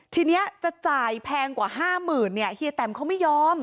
ทีนี้จะจ่ายแพงกว่า๕๐๐๐เนี่ยเฮียแตมเขาไม่ยอม